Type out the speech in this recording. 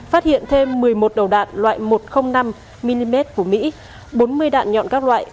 phát hiện thêm một mươi một đầu đạn loại một trăm linh năm mm của mỹ bốn mươi đạn nhọn các loại